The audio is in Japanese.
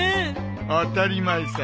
当たり前さ。